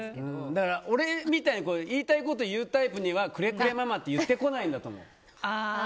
俺みたいに言いたいこと言うタイプにはクレクレママって言ってこないんだと思う。